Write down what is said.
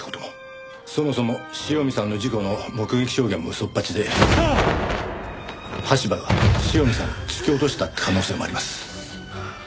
そもそも塩見さんの事故の目撃証言も嘘っぱちで羽柴が塩見さんを突き落としたって可能性もあります。